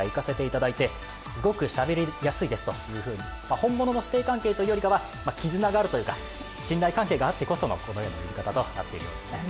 本物の師弟関係というよりかは、絆があるというか信頼関係があってこその、このような呼び方になっているようです。